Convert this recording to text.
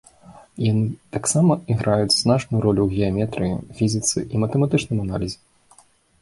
Яны таксама іграюць значную ролю ў геаметрыі, фізіцы і матэматычным аналізе.